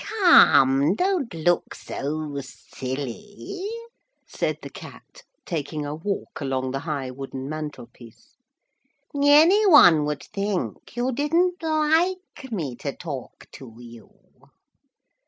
'Come, don't look so silly,' said the Cat, taking a walk along the high wooden mantelpiece, 'any one would think you didn't like me to talk to you.'